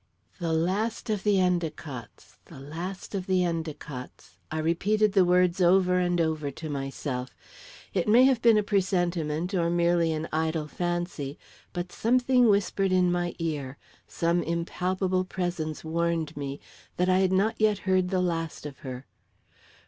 "The last of the Endicotts. The last of the Endicotts." I repeated the words over and over to myself. It may have been a presentiment, or merely an idle fancy, but something whispered in my ear some impalpable presence warned me that I had not yet heard the last of her.